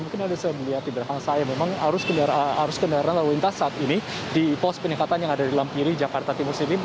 mungkin anda bisa melihat di belakang saya memang arus kendaraan lalu lintas saat ini di pos penyekatan yang ada di lampiri jakarta timur sendiri